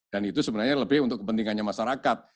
dan itu sebenarnya lebih untuk kepentingannya masyarakat